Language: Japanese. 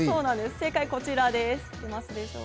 正解はこちらです。